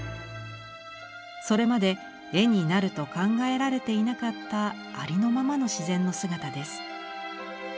それまで「絵になる」と考えられていなかったありのままの自然の姿です。